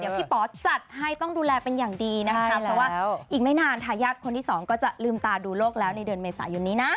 พี่ป๋อจัดให้ต้องดูแลเป็นอย่างดีนะคะเพราะว่าอีกไม่นานทายาทคนที่สองก็จะลืมตาดูโลกแล้วในเดือนเมษายนนี้นะ